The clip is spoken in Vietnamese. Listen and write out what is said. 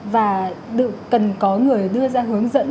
và cần có người đưa ra hướng dẫn